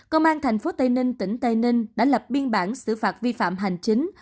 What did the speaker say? công an thành phố tây ninh tỉnh tây ninh đã lập biên bản xử phạt vi phạm hành chính